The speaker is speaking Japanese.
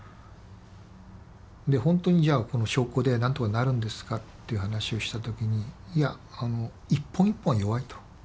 ホントにじゃあこの証拠でなんとかなるんですかっていう話をした時にいや一本一本は弱いと。